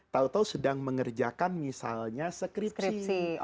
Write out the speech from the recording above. tau tau sedang mengerjakan misalnya skripsi